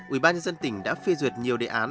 ủy ban nhân dân tỉnh đã phê duyệt nhiều đề án